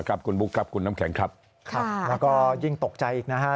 ครับคุณบุ๊คครับคุณน้ำแข็งครับครับแล้วก็ยิ่งตกใจอีกนะฮะ